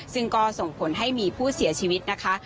ซึ่งก็ส่งผลให้มีผู้เสียชีวิตนะคะ